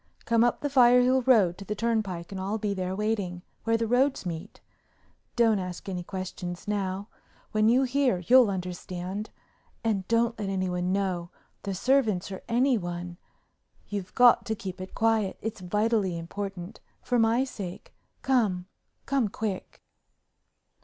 Come up the Firehill Road to the Turnpike and I'll be there waiting, where the roads meet. Don't ask any questions now. When you hear you'll understand. And don't let anyone know—the servants or anyone. You've got to keep it quiet, it's vitally important, for my sake. Come, come quick.